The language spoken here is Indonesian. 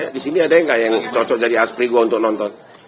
di sini ada yang nggak yang cocok dari asprigo untuk nonton